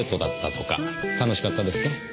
楽しかったですか？